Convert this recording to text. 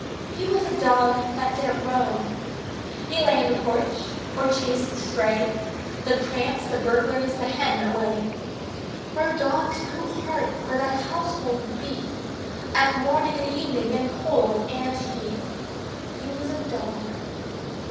He was a dog That didn't roam. He lay on the porch or chased the stray The tramps, the burglar, the hen, away; For a dog's true heart for that household beat At morning and evening, in cold and heat. He was a dog.